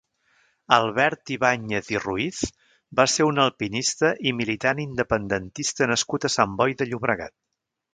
Albert Ibáñez i Ruiz va ser un alpinista i militant independentista nascut a Sant Boi de Llobregat.